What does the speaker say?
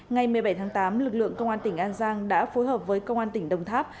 ngày một mươi bảy tháng tám lực lượng công an tỉnh an giang đã phối hợp với công an tỉnh đồng tháp